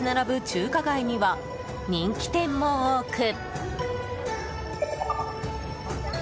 中華街には人気店も多く。